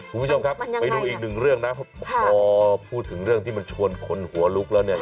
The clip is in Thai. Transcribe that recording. คุณผู้ชมครับไปดูอีกหนึ่งเรื่องนะพอพูดถึงเรื่องที่มันชวนคนหัวลุกแล้วเนี่ย